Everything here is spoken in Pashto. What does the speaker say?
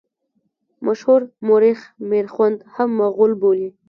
مشهور مورخ میرخوند هم مغول بولي.